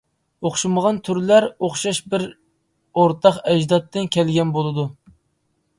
ئوخشىمىغان تۈرلەر ئوخشاش بىر ئورتاق ئەجدادتىن كەلگەن بولىدۇ.